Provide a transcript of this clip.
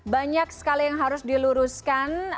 banyak sekali yang harus diluruskan